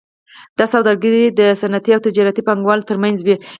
دا سوداګري د صنعتي او تجارتي پانګوالو ترمنځ وي